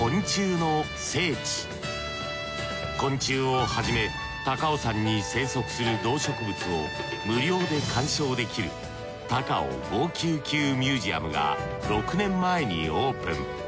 昆虫をはじめ高尾山に生息する動植物を無料で観賞できる高尾５９９ミュージアムが６年前にオープン。